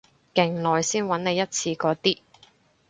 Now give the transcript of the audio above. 勁耐先搵你一次嗰啲